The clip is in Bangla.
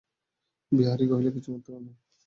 বিহারী কহিল, কিছুমাত্র না।